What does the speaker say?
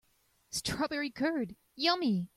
Strawberry curd, yummy!